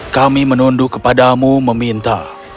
kami menunduk kepadamu meminta